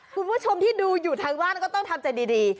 คุณผู้ชมที่ดูอยู่ทางบ้านก็ต้องทำใจดี